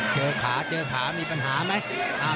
เจอขาเจอขามีปัญหาไหม